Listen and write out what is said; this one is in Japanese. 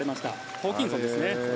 ホーキンソンですね。